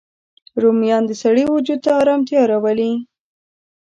رومیان د سړی وجود ته ارامتیا راولي